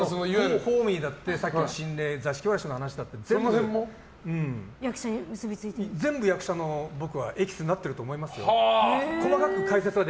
ホーミーだってさっきの座敷わらしの話だって全部、役者のエキスになってると思いますよ。